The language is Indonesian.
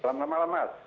selamat malam mas